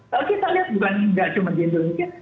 kalau kita lihat bukan tidak cuma di indonesia